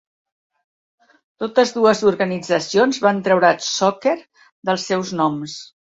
Totes dues organitzacions van treure "soccer" dels seus noms.